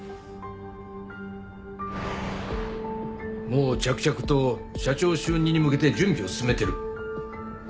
もう着々と社長就任に向けて準備を進めてる。